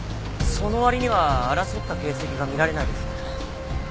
その割には争った形跡が見られないですね。